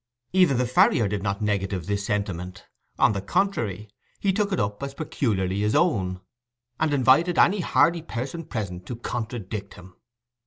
Even the farrier did not negative this sentiment: on the contrary, he took it up as peculiarly his own, and invited any hardy person present to contradict him.